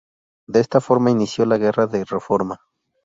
De esta forma inició la Guerra de Reforma.